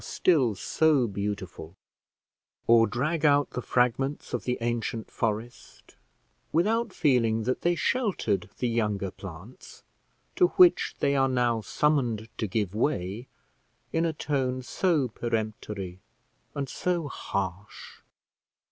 still so beautiful, or drag out the fragments of the ancient forest, without feeling that they sheltered the younger plants, to which they are now summoned to give way in a tone so peremptory and so harsh?